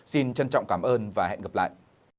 xin trân trọng cảm ơn và hẹn gặp lại